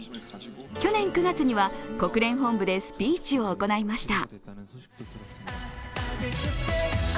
去年９月には国連本部でスピーチを行いました。